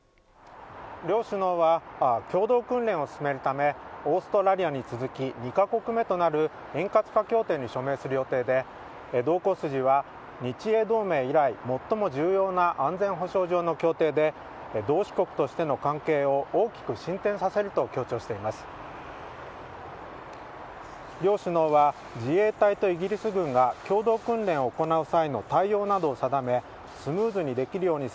両首脳は共同訓練を進めるためオーストラリアに続き２カ国目となる円滑化協定に署名する予定で同行筋は、日英同盟以来最も重要な安全保障上の協定で同志国としての関係を大きく進展させると強調しています。